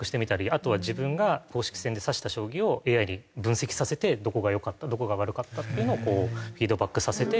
あとは自分が公式戦で指した将棋をＡＩに分析させてどこが良かったどこが悪かったっていうのをフィードバックさせて。